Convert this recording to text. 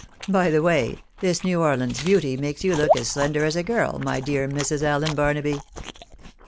By the way, this New Orleans beauty makes you look as slender as a girl, my dear Mrs. Allen Barnaby."